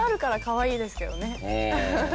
うん。